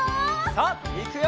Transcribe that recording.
さあいくよ！